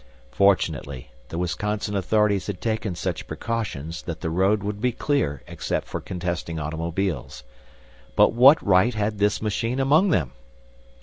Fortunately the Wisconsin authorities had taken such precautions that the road would be clear except for contesting automobiles. But what right had this machine among them!